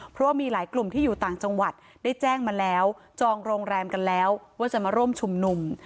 เพราะว่ามีหลายกลุ่มที่อยู่ต่างจังหวัดได้แจ้งมาแล้วจองโรงแรมกันแล้วว่าจะมาร่วมชุมนุม